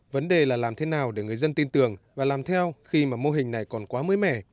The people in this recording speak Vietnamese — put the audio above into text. vấn đề là làm thế nào để người dân tin tưởng và làm theo khi mà mô hình này còn quá mới mẻ